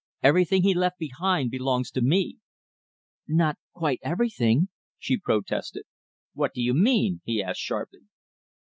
Everything he left behind belongs to me!" "Not quite everything," she protested. "What do you mean?" he asked sharply.